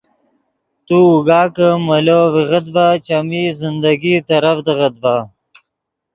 تو اوگا کہ مولو ڤیغت ڤے چیمی زندگی ترڤدیغت ڤے